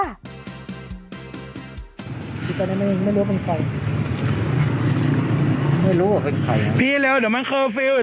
ไม่รู้ว่าเป็นใครไม่รู้ว่าเป็นใครพี่เร็วเดี๋ยวมันเคอร์ฟิล์ด